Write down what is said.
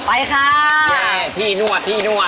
ไปค่ะพี่นวดพี่นวด